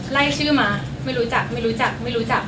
ชื่อมาไม่รู้จักไม่รู้จักไม่รู้จัก